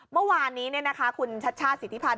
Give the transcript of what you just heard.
เมื่อวานนี้เนี่ยนะคะคุณชัดชาติสิทธิพันธ์